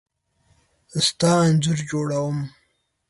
ستا انځور جوړوم .